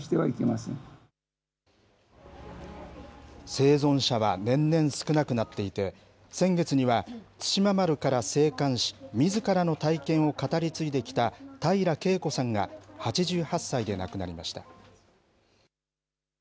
生存者は年々少なくなっていて、先月には、対馬丸から生還し、みずからの体験を語り継いできた平良啓子さんが８８歳で亡くなりました。